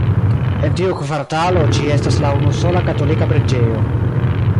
En tiu kvartalo ĝi estas la unusola katolika preĝejo.